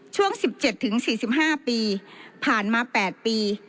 ช่วง๑๗๔๕ปีผ่านมา๘ปี